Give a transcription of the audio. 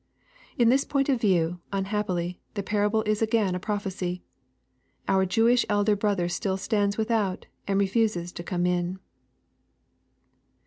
In this point of view, unhappily, the parable is again a prophecy. Our Jewish elder brother still stands without and re fusesi to come in.